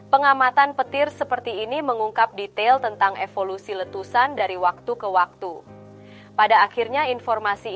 pengamatan petir seperti ini mengungkap di dunia